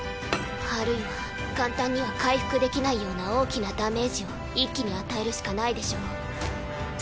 あるいは簡単には回復できないような大きなダメージを一気に与えるしかないでしょう。